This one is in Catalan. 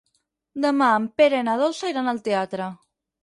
Demà en Pere i na Dolça iran al teatre.